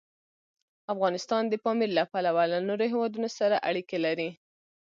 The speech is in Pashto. افغانستان د پامیر له پلوه له نورو هېوادونو سره اړیکې لري.